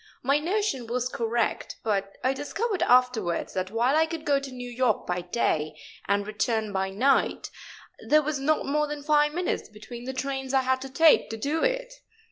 My notion was correct, but I discovered afterwards that while I could go to New York by day and return by night, there was not more than five minutes between the trains I had to take to do it.